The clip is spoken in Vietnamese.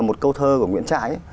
một câu thơ của nguyễn trãi